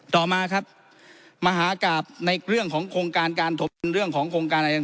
ต่อมาครับมหากราบในเรื่องของโครงการการถมดินเรื่องของโครงการอะไรต่าง